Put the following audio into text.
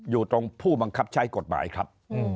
อยู่ตรงผู้บังคับใช้กฎหมายครับ